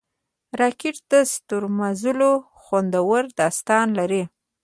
راکټ د ستورمزلو خوندور داستان لري